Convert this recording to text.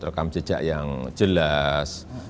rekam jejak yang jelas